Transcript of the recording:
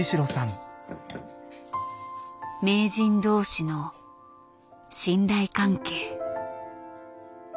名人同士の信頼関係。